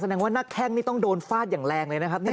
แสดงว่าหน้าแข้งนี่ต้องโดนฟาดอย่างแรงเลยนะครับ